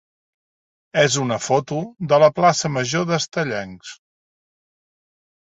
és una foto de la plaça major d'Estellencs.